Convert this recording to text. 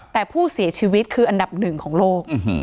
แต่ผู้เสียชีวิตคืออันดับหนึ่งของโลก